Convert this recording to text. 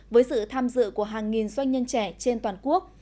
với sự tham dự của hàng nghìn doanh nhân trẻ trên toàn quốc